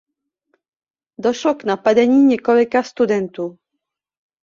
Došlo k napadení několika studentů.